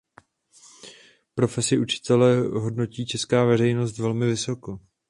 Profesi učitele hodnotí česká veřejnost velmi vysoko.